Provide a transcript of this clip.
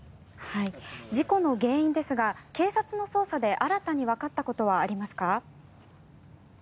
事故の原因ですが警察の捜査で新たにわかったことはありますか？